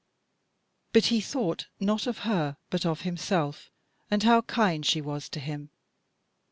But he thought not of her, but of himself and how kind she was to him.